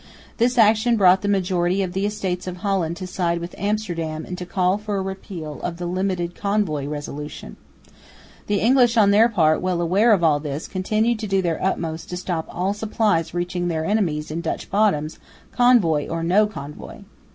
This action brought the majority of the Estates of Holland to side with Amsterdam and to call for a repeal of the "limited convoy" resolution. The English on their part, well aware of all this, continued to do their utmost to stop all supplies reaching their enemies in Dutch bottoms, convoy or no convoy.